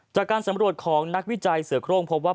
จากการสำรวจของนักวิจัยเสือโครงพบว่า